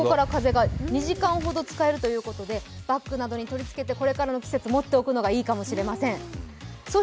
２時間ほど使えるということでバッグなどに取り付けて、これからの季節、持っておくのにいいかもしれません。